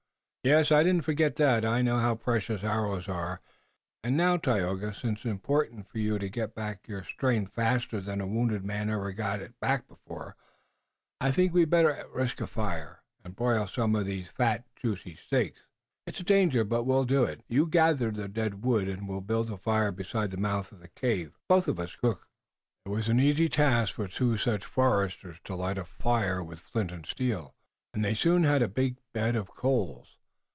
"Yes. I didn't forget that. I know how precious arrows are, and now, Tayoga, since it's important for you to get back your strength faster than a wounded man ever got it back before, I think we'd better risk a fire, and broil some of these fat, juicy steaks." "It is a danger, but we will do it. You gather the dead wood and we will build the fire beside the mouth of the cave. Both of us can cook." It was an easy task for two such foresters to light a fire with flint and steel, and they soon had a big bed of coals.